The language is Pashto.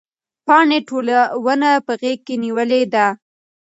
پاڼې ټوله ونه په غېږ کې نیولې ده.